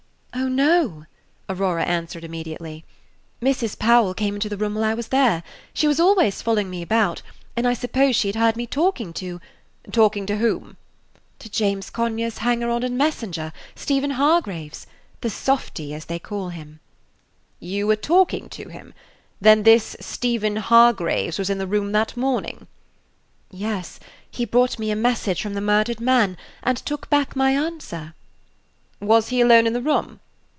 "Oh, no," Aurora answered immediately, "Mrs. Powell came into the room while I was there. She was always following me about, and I suppose she had heard me talking to " Page 181 "Talking to whom?" "To James Conyers' hanger on and messenger, Stephen Hargraves the softy, as they call him." "You were talking to him? Then this Stephen Hargraves was in the room that morning?" "Yes; he brought me a message from the murdered man, and took back my answer." "Was he alone in the room?"